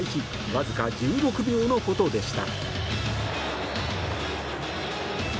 わずか１６秒のことでした。